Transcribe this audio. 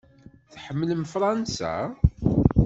Tḥemmlem Fṛansa?